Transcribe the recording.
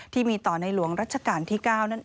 ที่มีต่อในหลวงรัชกาลที่๙